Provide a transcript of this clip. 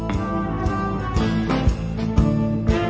ทำไมที่นี้ต้องจัดวิธี